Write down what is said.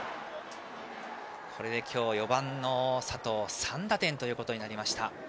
これで今日４番の佐藤は３打点となりました。